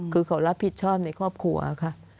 คือเขารับผิดชอบในครอบครัวค่ะ